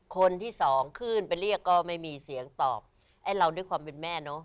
คนที่สองขึ้นไปเรียกก็ไม่มีเสียงตอบไอ้เราด้วยความเป็นแม่เนอะ